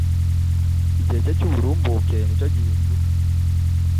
igihe cye cy'uburumbuke nicyo gihinduka